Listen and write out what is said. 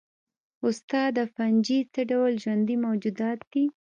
استاده فنجي څه ډول ژوندي موجودات دي